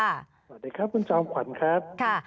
สวัสดีครับคุณจอมขวัญครับคุณโจมครับ